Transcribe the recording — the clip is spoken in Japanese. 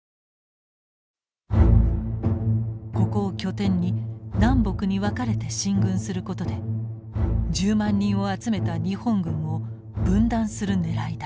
ここを拠点に南北に分かれて進軍することで１０万人を集めた日本軍を分断するねらいだった。